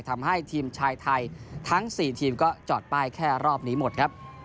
ทำให้ทีมชายไทยทั้ง๔ทีมก็จอดป้ายแค่รอบนี้หมดครับ